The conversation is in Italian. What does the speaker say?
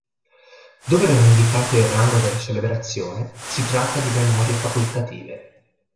Dove non è indicato il rango della celebrazione, si tratta di memorie facoltative.